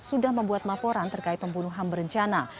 sudah membuat laporan terkait pembunuhan berencana